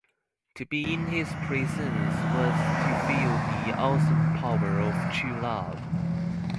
To be in his presence was to feel the awesome power of true law.